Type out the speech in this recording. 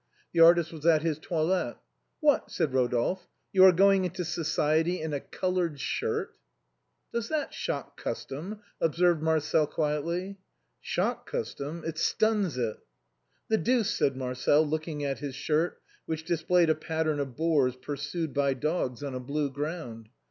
The artist was at his toilet. "What!" said Rodolphe, "you are going into society in a colored shirt ?"" Does that shock custom ?" observed Marcel quietly. " Shock custom, it stuns it." " The deuce," said Marcel, looking at his shirt, which displayed a pattern of boars pursued by dogs, on a blue ground.